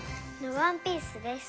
ワンピースです。